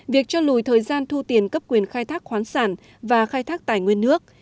việc cho lùi thời gian thu tiền cấp quyền khai thác khoán sản và khai thác tài nguyên nước